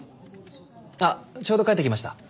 あっちょうど帰ってきました。